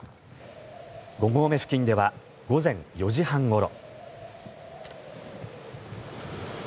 ５合目付近では午前４時半ごろ。